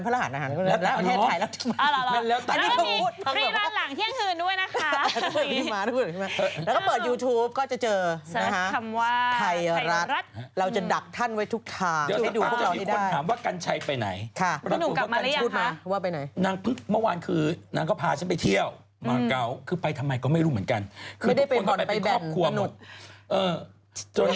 พบกับเราได้ทุกวันจันทร์ถึงวันพระรหารก็หลังรายการเดินหน้าประเทศไทย